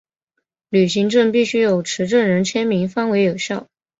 旅行证必须有持证人签名方为有效。